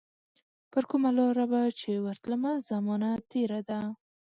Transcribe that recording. پرکومه لار به چي ورتلمه، زمانه تیره ده